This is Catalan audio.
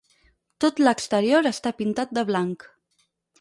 Tot l'exterior està pintat de blanc.